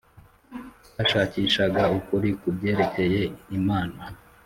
bashakishaga ukuri ku byerekeye Imana